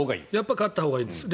勝ったほうがいいんです。